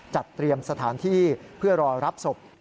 จัดเตรียมสถานที่เพื่อรอรับศพ